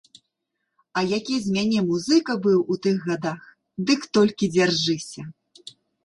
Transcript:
А які з мяне музыка быў у тых гадах, дык толькі дзяржыся!